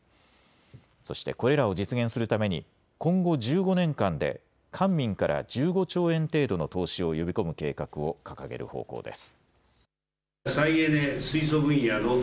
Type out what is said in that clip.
そしてこれらを実現するために今後１５年間で官民から１５兆円程度の投資を呼び込む計画を掲げる方向です。